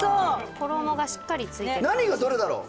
衣がしっかり付いてるから何がどれだろう